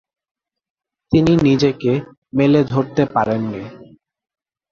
তিনি নিজেকে মেলে ধরতে পারেননি।